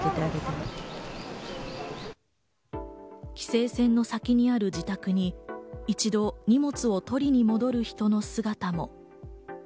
規制線の先にある自宅に一度、荷物を取りに戻る人の姿も。